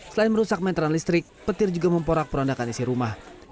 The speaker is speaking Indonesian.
selain merusak meteran listrik petir juga memporak perondakan isi rumah